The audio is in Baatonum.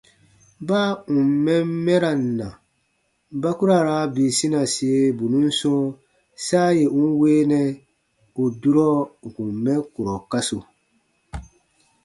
Baa ǹ n mɛn mɛran na, ba ku ra raa bii sinasie bù nùn sɔ̃ɔ saa yè n weenɛ ù durɔ n kùn mɛ kurɔ kasu.